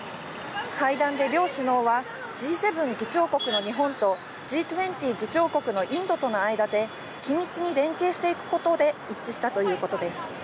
会談で両首脳は、Ｇ７議長国の日本と、Ｇ２０議長国のインドとの間で、緊密に連携していくことで一致したということです。